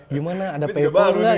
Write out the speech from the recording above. gimana ada paypal gak